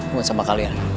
bukan sama kalian